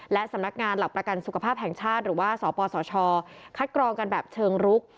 และสำนักงานหลักประกันสุขภาพแห่งชาติหรือว่าสปสชคัดกรองกันแบบเชิงรุก